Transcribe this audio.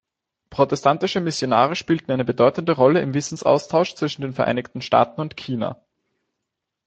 Protestantische Missionare spielten eine bedeutende Rolle im Wissensaustausch zwischen den Vereinigten Staaten und China.